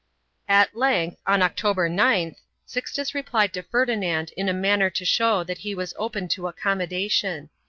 1 At length, on October 9th, Sixtus replied to Ferdinand in a man ner to show that he was open to accommodation.